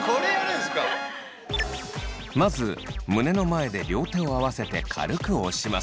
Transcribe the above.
まず胸の前で両手を合わせて軽く押します。